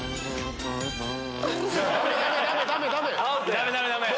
ダメダメダメ！